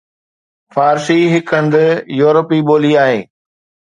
فارسي هڪ هند-يورپي ٻولي آهي